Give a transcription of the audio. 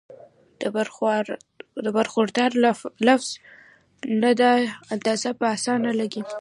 د برخوردار لفظ نه دا اندازه پۀ اسانه لګي